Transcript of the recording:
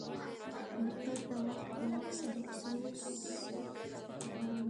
موټر ته وخت په وخت سروس پکار دی.